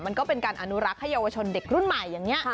มันก็เป็นการอนุรักษ์ให้เยาวชนเด็กรุ่นใหม่อย่างนี้